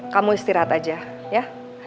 kamu istirahat aja ya